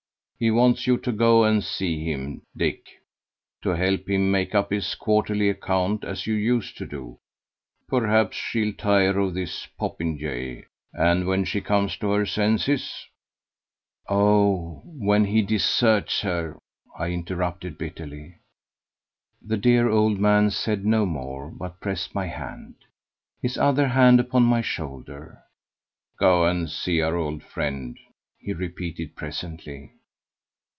He wants you to go and see him, Dick, to help him make up his quarterly account, as you used to do. Perhaps she'll tire of this popinjay and, when she comes to her senses " "Or when he deserts her," I interrupted bitterly. The dear old man said no more, but pressed my hand his other hand upon my shoulder. "Go and see our old friend," he repeated presently.